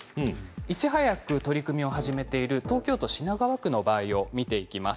いち早く取り組みを始めている東京都品川区の場合を見ていきます。